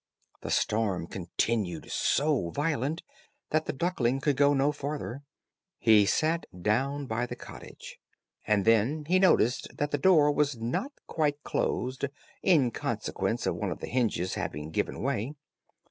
The storm continued so violent, that the duckling could go no farther; he sat down by the cottage, and then he noticed that the door was not quite closed in consequence of one of the hinges having given way.